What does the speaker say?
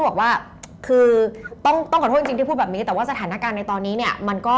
คือต้องขอโทษจริงที่พูดแบบนี้แต่ว่าสถานการณ์ในตอนนี้